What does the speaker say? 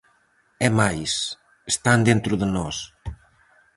É máis, están dentro de nós.